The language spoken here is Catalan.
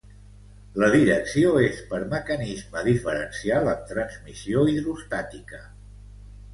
La direcció és per mecanisme diferencial amb transmissió hidrostàtica.